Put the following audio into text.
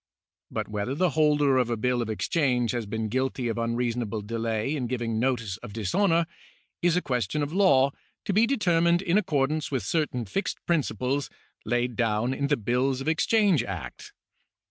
But whether the holder of a bill of exchange has been guilty of un reasonable delay in giving notice of dishonour, is a question of law to be determined in accordance with certain fixed principles laid down in the Bills of Exchange Act.